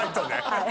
はい。